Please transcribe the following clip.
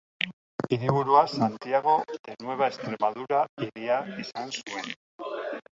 Hiriburua Santiago de Nueva Extremadura hiria izan zuen.